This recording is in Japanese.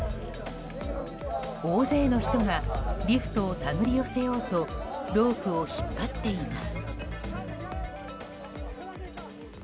大勢の人がリフトを手繰り寄せようとロープを引っ張っています。